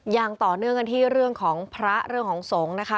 ยังต่อเนื่องกันที่เรื่องของพระเรื่องของสงฆ์นะคะ